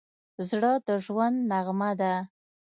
زړه د ژوند نغمه ده.